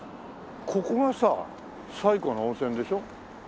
ここがさ最古の温泉でしょ？